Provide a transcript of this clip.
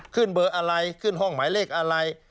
ขึ้นเบอร์อะไรขึ้นห้องหมายเลขอะไร